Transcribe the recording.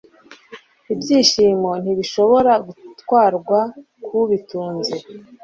ibyishimo ntibishobora gutwarwa kubitunze